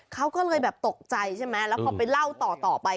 เขาก็เลยแบบตกใจใช่ไหมแล้วพอไปเล่าต่อไป